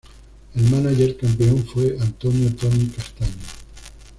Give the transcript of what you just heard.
El mánager campeón fue Antonio "Tony" Castaño.